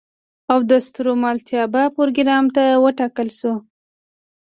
او د ستورملتابه پروګرام ته وټاکل شوه.